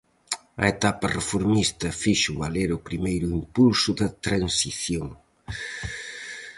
A etapa reformista fixo valer o primeiro impulso da transición.